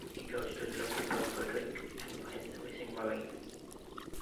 He goes to the local pub for a drink and finds the missing Marine.